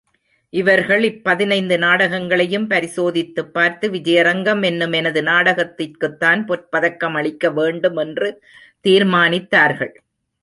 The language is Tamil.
இவர்கள் இப்பதினைந்து நாடகங் களையும் பரிசோதித்துப் பார்த்து, விஜயரங்கம் என்னும் எனது நாடகத்திற்குத்தான் பொற்பதக்கமளிக்க வேண்டுமென்று தீர்மானித்தார்கள்.